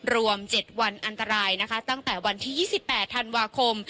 รวม๗วันอันตรายนะคะตั้งแต่วันที่๒๘ธันวาคม